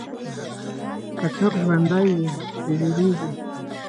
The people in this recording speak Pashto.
که څوک ژوندی وي، ترې وېرېږي.